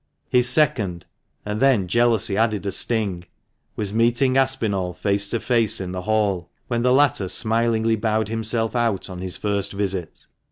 His second — and then jealousy added a sting — was meeting Aspinall face to face in the hall, when the latter smilingly bowed himself out on his first visit.